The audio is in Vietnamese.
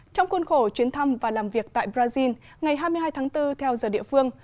trong khuôn khổ chuyến thăm và làm việc tại brazil ngày hai mươi hai tháng bốn theo giờ địa phương